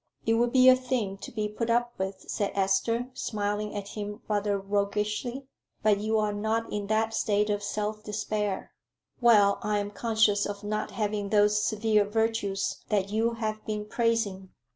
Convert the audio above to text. "It would be a thing to be put up with," said Esther, smiling at him rather roguishly. "But you are not in that state of self despair." "Well, I am conscious of not having those severe virtues that you have been praising."